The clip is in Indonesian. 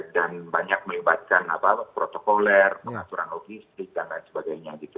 dan banyak menyebabkan protokoler pengaturan logistik dan lain sebagainya gitu